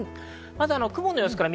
まず雲の様子です。